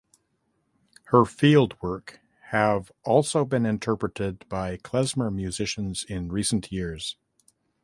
Her field work have also been interpreted by klezmer musicians in recent years.